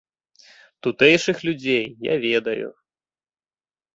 Тутэйшых людзей я ведаю.